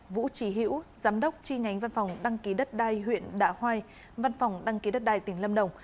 vũ trí hiễu giám đốc chi nhánh văn phòng đăng ký đất đai huyện đạ hoai văn phòng đăng ký đất đai tỉnh lâm đồng